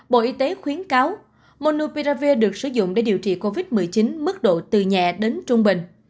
bộ y tế khuyến cáo monupiravi được sử dụng để điều trị covid một mươi chín mức độ từ nhẹ đến trung bình